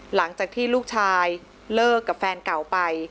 หลังจากที่ลูกชายเลิกกับแฟนเก่าไป